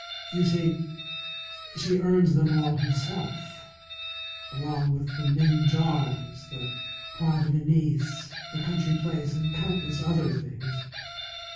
You see, she earns them all herself, along with the Ming jars, the point de Venise, the country place, and countless other things.